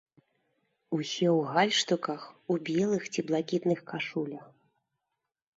Усе ў гальштуках, у белых ці блакітных кашулях.